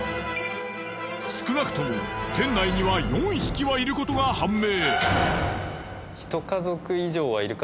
少なくとも店内には４匹はいることが判明。